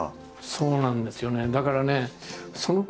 そうなんですよね。